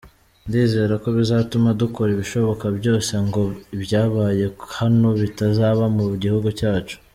Ndizera ko bizatuma dukora ibishoboka byose ngo ibyabaye hano bitazaba mu gihugu cyacu”.